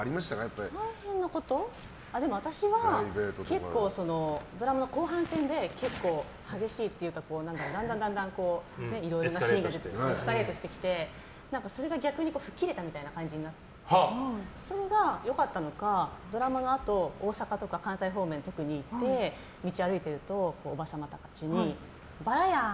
私は結構ドラマが後半戦で激しいというかだんだんいろいろなシーンがエスカレートしてきてそれが逆に吹っ切れたみたいな感じになってそれが良かったのかドラマのあと大阪とか、関西方面で特に道を歩いているとおば様たちに、薔薇やん！